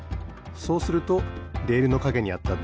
そうするとレールのかげにあったドミノ